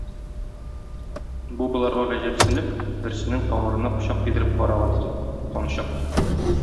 Бу боларга гаҗәпсенеп, берсенең тамырына пычак тидереп караган иде, кан чыкты.